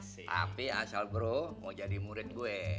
tapi asal bro mau jadi murid gue